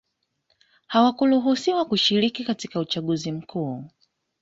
hawakuruhusiwa kushiriki katika uchaguzi mkuu